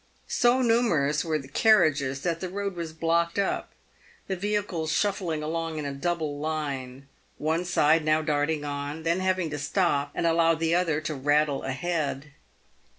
So numerous were the carriages that the road was blocked up, the vehicles shuffling along in a double line, one side now darting on, then having to stop and allow the other to rattle ahead.